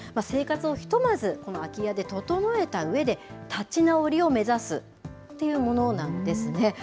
生活をひとまずこの空き家で整えたうえで、立ち直りを目指すっていうものなんですね。